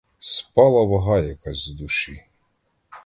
Спала вага якась з душі.